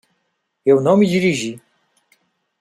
Eu não me dirigi.